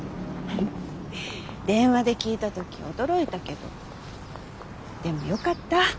電話で聞いた時驚いたけどでもよかった。